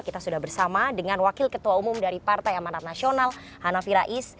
kita sudah bersama dengan wakil ketua umum dari partai amanat nasional hanafi rais